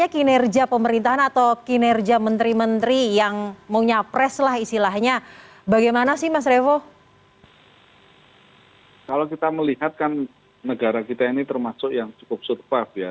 kalau kita melihat kan negara kita ini termasuk yang cukup survive ya